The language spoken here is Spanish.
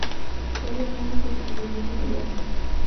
Ella es su único superviviente inmediato.